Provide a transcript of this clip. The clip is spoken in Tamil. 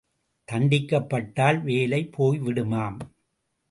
தண்டிக்கப்பட்டால் வேலை போய்விடுமாம்.